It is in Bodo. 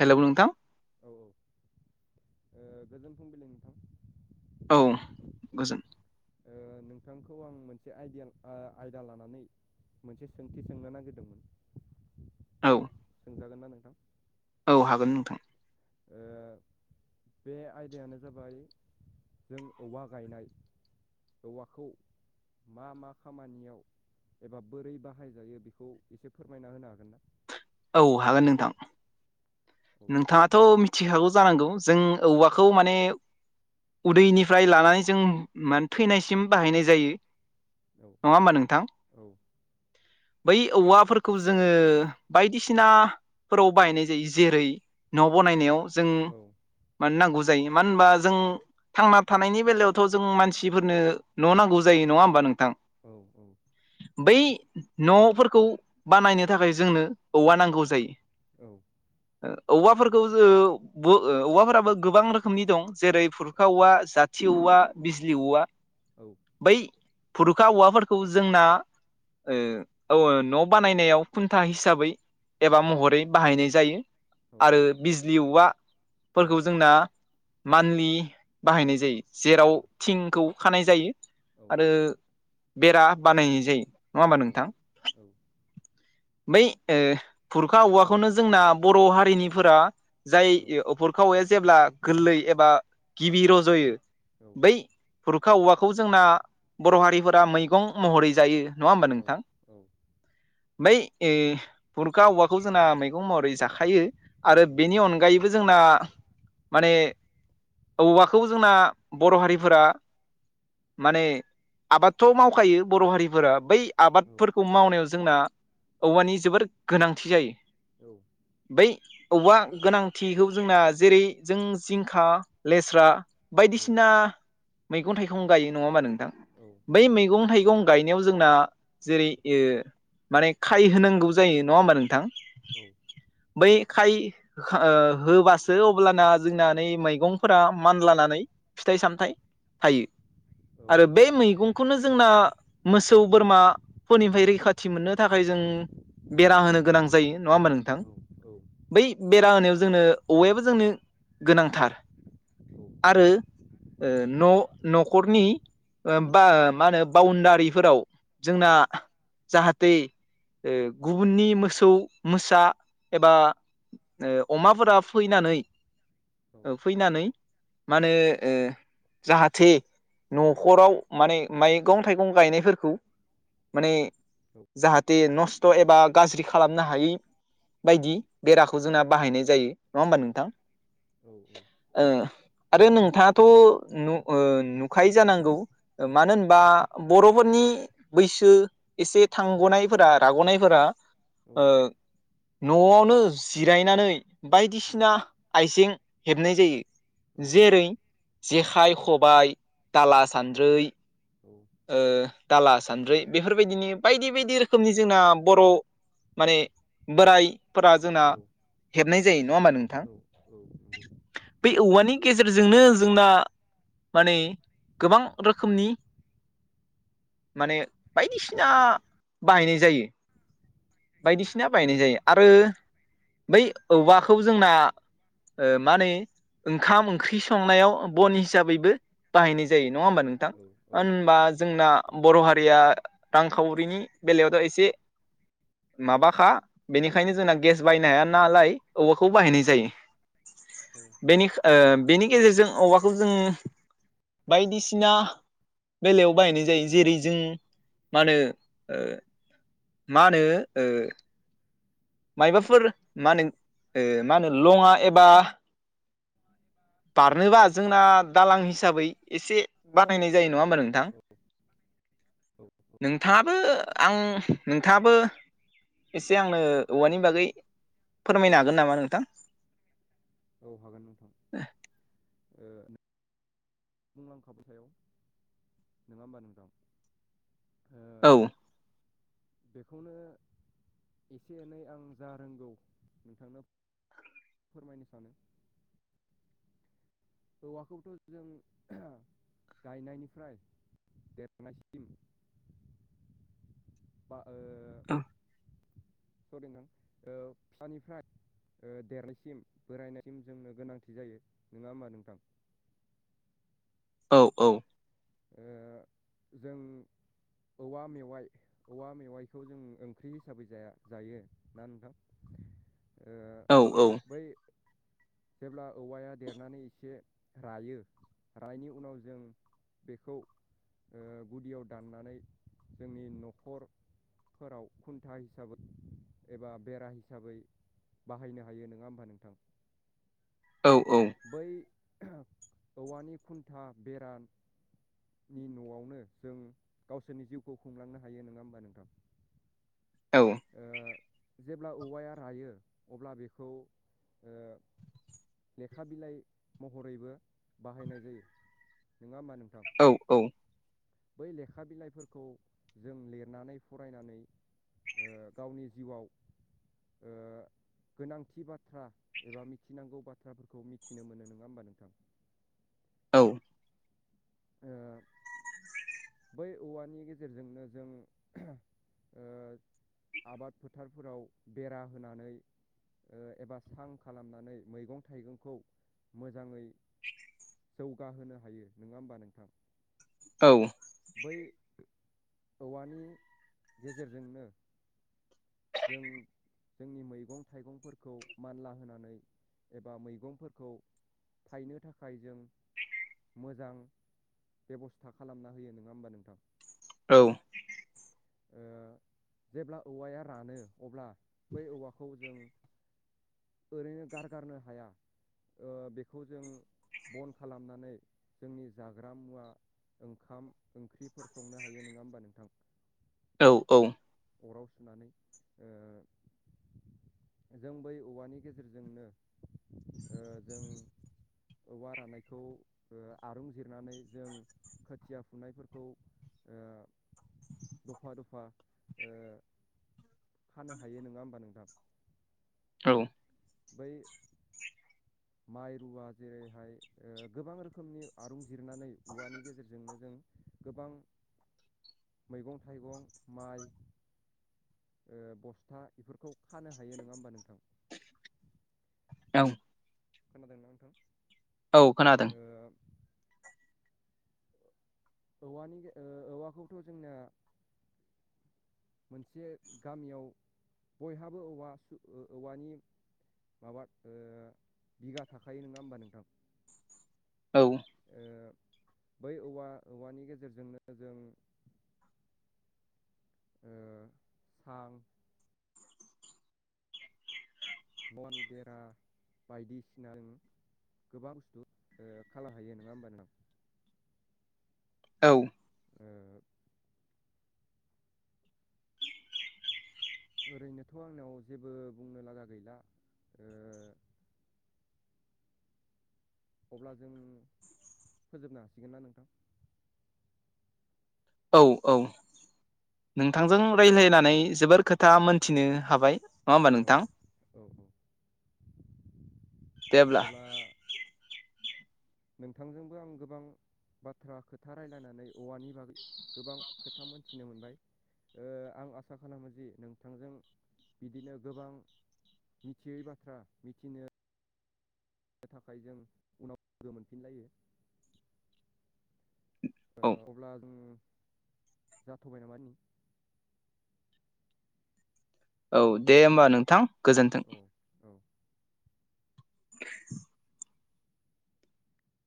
हेलौ हेल' औ नोंथां औ ओ गोजोन फुंबिलि नोंथां। औ गोजोन ओ नोंथांखौ आं मोनसे आइदिया आयदा लानानै मोनसे सोंथि सोंनो नागिरदोंमोन। औ। सोंजागोन ना नोंथां? औ हागोन नोंथां। ओ बे आयदायानो जाबाय जों औवा गायनाय औवाखौ मा- मा खामानियाव एबा बोरै बाहायजायो बेखौ एसे फोरमायना होनो हागोन ना? औ हागोन नोंथां। नोंथाङाथ' मिथिखागौ जानांगौ जों औवाखौ माने उनदैनिफ्राय लानानै जों माने थैनायसिम बाहायनाय जायो। औ। नङा होमबा नोंथां औ बै औवाफोरखौ जोङो बायदिसिनाफोराव बाहायनाय जायो जेरै न' बनायनायाव जों माने नांगौ जायो मानो होनबा जों थांना थानायनि बेलायावथ' जों मानसिफोरनो न' नांगौ जायो नङा होमबा नोंथां औ औ बै न'फोरखौ बानायनो थाखाय जोंनो औवा नांगौ जायो औ औवाफोरखौ औवाफोराबो गोबां रोखोमनि दं जेरै खुरखा औवा, जाथि औवा, बिजलि औवा। औ बै बुरुखा औवाफोरखौ जोंना औ न' बानायनायाव खुन्था हिसाबै एबा औ महरै बाहायनाय जायो। औ औ आरो बिजलि औवाफोरखौ जोंना मान्थलि बाहायनाय जायो। औ जेराव थिंखौ खानाय जायो आरो बेरा बानायनाय जायो। नङा होमबा? नोंथां बै बुरखा औवाखौनो जोंना बर' हारिनिफोरा जाय [unintelligible] [unintelligible] जेब्ला गोरलै एबा गिबि रज'यो बै हुरुखा औवाखौ जोंना बर' हारिफोरा मैगं महरै जायो नङा होमबा नोंथां बै ओ बुरखा औवाखौ जोंना मैगं महरै जाखायो थायो आरो बेनि अनगायैबो जोंना माने औवाखौ जोंना बर' हारिफोरा माने आबादथ' मावखायो बर' हारिफोरा बै आबादफोरखौ मावनायाव जोंना औवानि जोबोर गोनांथि जायो औ बै औवा गोनांथिखौ जोंना जेरै जों जिंखा लेस्रा औ बायदिसिना मैगं थाइगं गायो नङा होमबा नोंथां औ बै मैगं थाइगं गायनायाव जोंना जेरै ओ माने खाय होनांगौ जायो नङा होमबा नोंथां औ बै खाय होबासो अब्लाना जोंना नै मैगंफोरा मानलानानै फिथाइ सामथाय थायो आरो बे मैगं खौनो जोंना मोसौ बोरमाफोरनिफ्राय रैखाथि मोननो थाखाय जों बेरा होनो गोनां जायो नङा होमबा नोंथां बै बेरा होनायाव जोंनो औवायाबो जोंनो गोनांथार आरो न' न'खरनि ओ बा मा होनो बाउनदारिफोराव जोंना जाहाथे ओ गुबुननि मोसौ मोसा एबा ओ अमाफोरा फैनानै ओ फैनानै माहोनो ओ जाहाथे न'खराव माने मैगं थाइगं गायनायफोरखौ माने जाहाथे नस्थ' एबा गाज्रि खालामनो हायै बायदि बेराखौ जोंना बाहायनाय जायो नङा होमबा नोंथां औ औ ओ आरो नोंथाङाथ' नु ओ नुखाय जानांगौ मानो होनबा बर'फोरनि बैसो एसे थांग'नायफोरा राग'नायफोरा ओ न'आवनो जिरायनानै बायदिसिना आइजें हेबनाय जायो जेरै जेखाइ खबाय दाला सान्द्रै ओ दाला सान्द्रै बेफोरबायदिनि बायदि बायदि रोखोमनि जोंना बर' माने बोरायफोरा जोंना हेबनाय जायो नङा होमबा नोंथां बे औवानि गेजेरजोंनो जोंना माने गोबां रोखोमनि माने बायदिसिना बाहायनाय जायो। बायदिसिना बायनाय जायो आरो बै औवाखौ जोंना ओ मानैै ओंखाम ओंख्रि संनायाव बन हिसाबैबो बाहायनाय जायो नङा होमबा औ नोंथां? मानो होनबा जोंना बर' हारिया रांखावरिनि बेलायावथ' एसे माबाखा बेनिखायनो जोंना गेस बायनो हाया नालाय औवाखौ बाहायनाय जायो। बेनि ओ औ बेनि गेजेरजों औवाखौ जों बायदिसिना बेलायाव बाहायनाय जायो जेरै जों मा होनो मा होनो ओ मायबाफोर मा होनो ओ मा होनो लङा एबा बारनोबा जोंना दालां हिसाबै एसे बानायनाय जायो नङा होमबा नोंथां नोंथाङाबो आं नोंथाङाबो एसे आंनो औवानि बागै फोरमायनो हागोन नामा नोंथां औ हागोन नोंथां [inaudible] ओ बुंलांखाबाय थायाव नोङा होमबा नोंथां। ओ औ बेखौनो एसे एनै आं जा रोंगौ नोंथांनो फोरमायनो सानो। औवाखौबोथ' जों गायनायनिफ्राय देरनायसिम ओ औ सरि नों फिसानिफ्राय ओ देरनायसिम बोरायनायसिम जोंनो गोनांथि जायो नङा होमबा नोंथां? औ औ ओ जों औवा मेवाइ औवा मेवाइखौ जों ओंख्रि हिसाबै जाया जायो ना नोंथां। ओ औ औ बै जेब्ला औवाया देरनानै एसे रायो रानायनि उनाव जों बेखौ ओ गुदियाव दाननानै जोंनि न'खर फोराव खुन्था हिसाबै एबा बेरा हिसाबै बाहायनो हायो नोङा होमबा नोंथां औ औ बै औवानि खुन्था बेरा नि न'आवनो जों गावसोरनि जिउखौ खुंलांनो हायो नोङा होमबा नोंथां? औ ओ जेब्ला औवाया रायो अब्ला बेखौ ओ लेखा बिलाइ महरैबो बाहायनाय जायो नोङा होमबा नोंथां? औ औ बै लेखा बिलाइफोरखौ जों लिरनानै फरायनानै ओ गावनि जिउआव ओ गोनांथि बाथ्रा एबा मिथिनांगौ बा बाथ्राफोरखौ मिथिनो मोनो नोङा होमबा नोंथां? औ ओ बै औवानि गेजेरजोंनो जों ओ आबाद फोथारफोराव बेरा होनानै ओ एबा सां खालामनानै मै जौगाहोनो हायो नङा होमबा नोंथां औ बै औवानि गेजेरजोंनो जों जोंनि मैगं थाइगंफोरखौ मानला होनानै एबा मैगंफोरखौ थायनो थाखाय जों मोजां बेब'स्था खालामना होयो नङा होमबा नोंथां औ ओ जेब्ला औवाया रानो अब्ला बै औवाखौ जों ओरैनो गारगारनो हाया ओ बेखौ जों बन खालामनानै जोंनि जाग्रा मुवा ओंखाम ओंख्रिफोर संनो हायो नोङा होमबा नोंथां? औ औ अराव सुनानै ओ जों बै औवानि गेजेरजोंनो ओ जों औवा रानायखौ ओ आरुं जिरनानै जों खोथिया फुनायफोरखौ ओ दफा दफा ओ खानो हायो नङा होमबा नोंथा? औ बै माइ रुवा जेरैहाय ओ गोबां रोखोमनि आरुं जिरनानै औवानि गेजेरजोंनो जों गोबां मैगं थाइगं माइ ओ बस्था बेफोरखौ खानो हायो नङा होमबा नोंथां? औ खोनादोंना नोंथां? औ खोनादों ओ औवानि ओ औवाखौथ' जोंनाया मोनसे गामियाव बयहाबो औवा सु औवानि माबा ओ बिगा थाखायो नङा होमबा नोंथां? औ ओ बै औवा औवानि गेजेरजोंनो जों औ थां बन बेरा बायदिसिनानि गोबां बुस्थु खानो हायो नङा होमबा नोंथां? औ ओ ओरैनोथ' आंनाव जेबो बुंनो लागा गैला ओ अब्ला जों फोजोबनो हासिगोन ना नोंथां? औ औ नोंथांजों रायज्लायनानै जोबोर खोथा मोनथिनो हाबाय नङा होमबा औ नोंथां औ औ अब्ला नोंथांजोंबो आं गोबां बाथ्रा खोथा रायजलायनानै औवानि बागै गोबां खोथा मोनथिनो मोनबाय ओ आं आसा खालामो जि नोंथांजों बिदिनो गोबां मिथियै बाथ्रा मिथिनो थाखाय जों उनाव लोगो मोनफिनलायो ओ औ अब्ला जों जाथ'बाय औ दे होमबा नोंथां गोजोन्थों औ औ [inaudible]